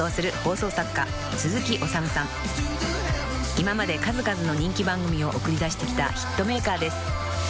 ［今まで数々の人気番組を送り出してきたヒットメーカーです］